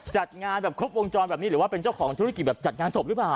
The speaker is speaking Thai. จัดงานแบบครบวงจรแบบนี้หรือว่าเป็นเจ้าของธุรกิจแบบจัดงานศพหรือเปล่า